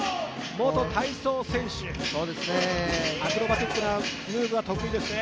元体操選手、アクロバティックなムーブが得意ですね。